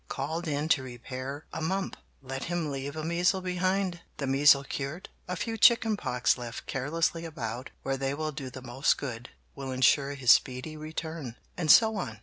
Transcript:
Called in to repair a mump, let him leave a measle behind. The measle cured, a few chicken pox left carelessly about where they will do the most good will insure his speedy return; and so on.